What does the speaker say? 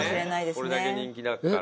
これだけ人気だったら。